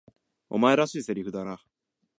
お前らしい台詞だな。